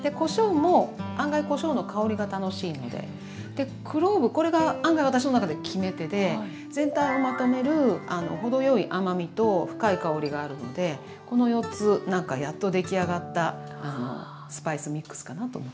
でクローブこれが案外私の中で決め手で全体をまとめる程よい甘みと深い香りがあるのでこの４つなんかやっと出来上がったスパイスミックスかなと思ってます。